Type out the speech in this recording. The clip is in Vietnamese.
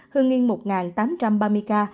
hương yên một tám trăm ba mươi ca